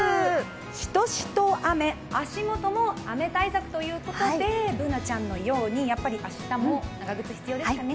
しとしと雨、足元も雨対策ということで、Ｂｏｏｎａちゃんのように明日も長靴必要ですかね。